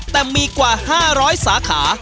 แต่มีกว่า๕๐๐สาขา